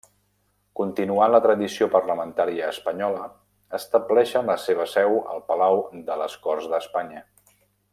Continuant la tradició parlamentària espanyola estableixen la seva seu al Palau de les Corts d'Espanya.